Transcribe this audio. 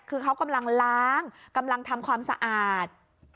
คือเขากำลังล้างกำลังทำความสะอาด